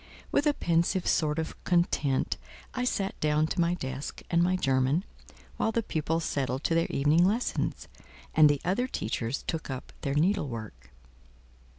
With a pensive sort of content, I sat down to my desk and my German, while the pupils settled to their evening lessons; and the other teachers took up their needlework.